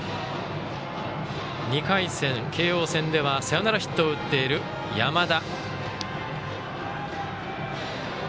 ２回戦、慶応戦ではサヨナラヒットを打っている山田。